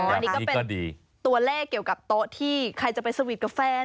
อันนี้ก็เป็นตัวเลขเกี่ยวกับโต๊ะที่ใครจะไปสวีทกับแฟน